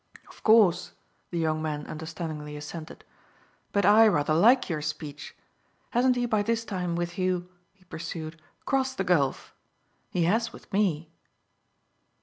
"Of course," the young man understandingly assented. "But I rather like your speech. Hasn't he by this time, with you," he pursued, "crossed the gulf? He has with me."